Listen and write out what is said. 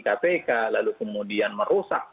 kpk lalu kemudian merusak